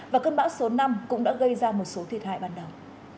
và cơn bão số năm cũng đã gây ra một số thiệt hại ban đầu